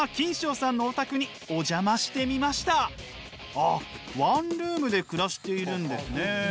あっワンルームで暮らしているんですね。